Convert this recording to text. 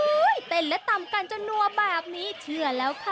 เต้นและตำกันจนนัวแบบนี้เชื่อแล้วค่ะ